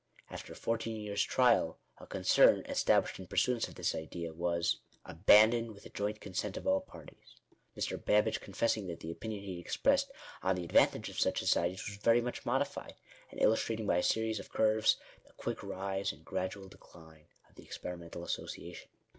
After fourteen years' trial a concern, established in pursuance of this idea, was " abandoned with the joint consent of all parties;" Mr. Babbage confessing that the opinion he had expressed " on the advantage of such societies was very much modified," and illustrating by a series of curves "the quick rise and gradual decline" of the experi mental association.